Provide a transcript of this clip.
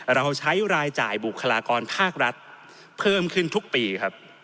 เราใช้รายจ่ายบุคลากรภาครัฐเพิ่มขึ้นทุกปีครับ